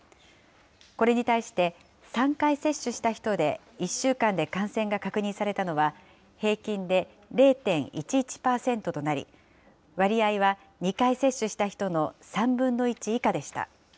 これに対して、３回接種した人で１週間で感染が確認されたのは、平均で０．１１％となり、割合は２回接種した人の３分の１以下でした。